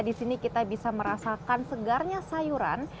di sini kita bisa merasakan segarnya sayuran